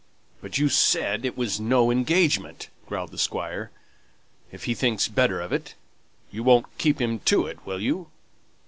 "But you said it was no engagement," growled the Squire. "If he thinks better of it, you won't keep him to it, will you?"